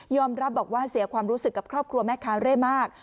รับบอกว่าเสียความรู้สึกกับครอบครัวแม่ค้าเร่มาก